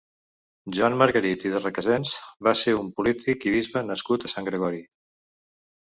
Joan Margarit i de Requesens va ser un polític i bisbe nascut a Sant Gregori.